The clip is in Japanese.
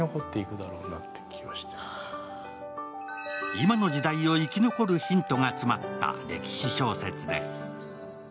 今の時代を生き残るヒントが詰まった歴史小説です。